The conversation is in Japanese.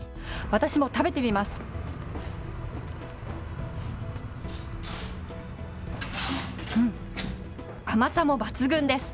私も食べてみます。